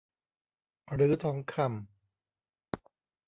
หรือทองคำ